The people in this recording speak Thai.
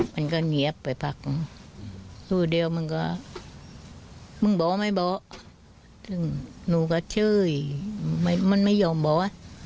มันก็เหงียบไปพักตัวเดียวมันก็มึงบอกไม่บอกหนูก็เชื่อมันไม่ยอมบอก